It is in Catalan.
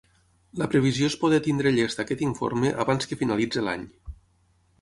La previsió és poder tindre llest aquest informe abans que finalitze l’any.